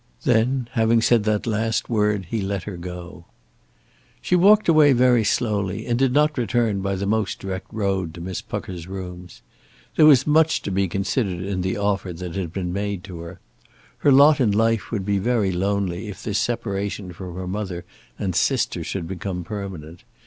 Then, having said that last word, he let her go. She walked away very slowly, and did not return by the most direct road to Miss Pucker's rooms. There was much to be considered in the offer that had been made to her. Her lot in life would be very lonely if this separation from her mother and sister should become permanent.